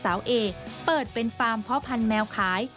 เพราะพิจารณาแล้วเห็นว่านางสาวเอเปิดเป็นฟาร์มเพาะพันธุ์แมวขาย